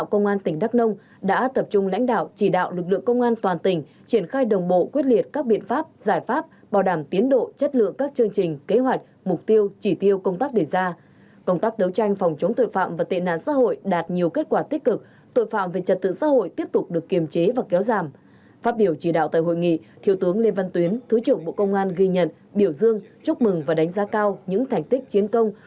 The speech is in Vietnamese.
công an tỉnh đắk nông tổ chức hội nghị tổng kết công tác công an năm hai nghìn hai mươi hai và triển khai nhiệm vụ công tác năm hai nghìn hai mươi ba dù hội nghị có thiếu tướng lê văn tuyến thứ trưởng bộ công an